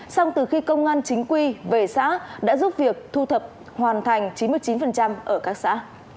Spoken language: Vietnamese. xong từ khi công an chính quy về xã đã giúp việc thu thập hoàn thành chín mươi chín ở các xã